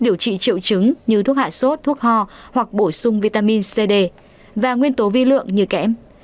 điều trị triệu chứng như thuốc hạ sốt thuốc ho hoặc bổ sung vitamin cd và nguyên tố vi lượng như kẽm